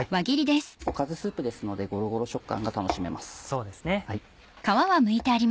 おかずスープですのでゴロゴロ食感が楽しめます。